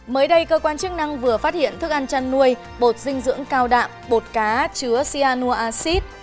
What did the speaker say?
mới đây cơ quan chức năng vừa phát hiện thức ăn chăn nuôi bột dinh dưỡng cao đạm bột cá chứa sianu acid